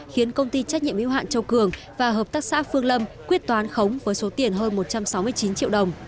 khiến công ty trách nhiệm yêu hạn châu cường và hợp tác xã phương lâm quyết toán khống với số tiền hơn một trăm sáu mươi chín triệu đồng